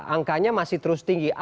angkanya masih terus tinggi